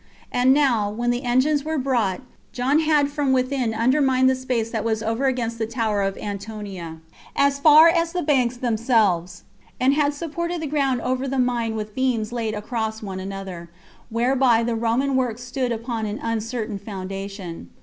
And now, when the engines were brought, John had from within undermined the space that was over against the tower of Antonia, as far as the banks themselves, and had supported the ground over the mine with beams laid across one another, whereby the Roman works stood upon an uncertain foundation.